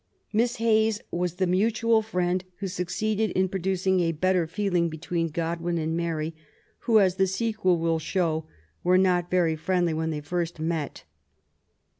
Miss Hayes was the mutual friend who succeeded in producing a better feeling between Godwin and Mary, who, as the sequel will show, were not very friendly when they first met.